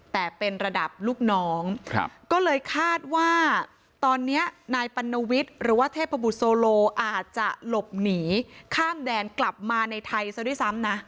แต่เป็นระดับลูกน้องก็เลยคาดว่าตอนนี้นายปัณวิทย์หรือว่าเทพบุตรโซโลอาจจะหลบหนีข้ามแดนกลับมาในไทยซะด้วยซ้ำนะ